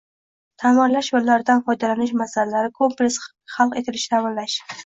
ta’mirlash va ulardan foydalanish masalalari kompleks hal etilishini ta’minlash